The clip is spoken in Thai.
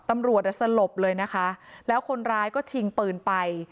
ตำรวจสลบเลยนะคะแล้วคนร้ายก็ชิงปืนไป